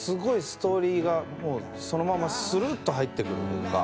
ストーリーがそのままするっと入ってくる。